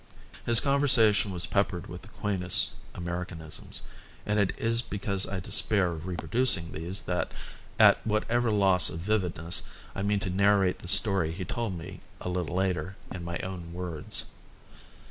His conversation was peppered with the quaintest Americanisms, and it is because I despair of reproducing these that, at whatever loss of vividness, I mean to narrate the story he told me a little later in my own words.